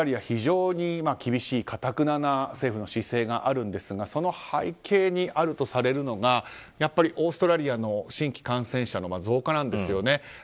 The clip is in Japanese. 非常に厳しいかたくなな政府の姿勢があるんですがその背景にあるとされるのがやっぱりオーストラリアの新規感染者の増加なんですよね。